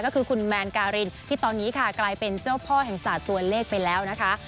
ก็คือคุณแมนการินที่ตอนนี้ค่ะกลายเป็นเจ้าพ่อแห่งศาสตตัวเลขไปแล้วนะคะ